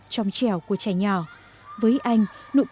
thì nó mới vừa phụ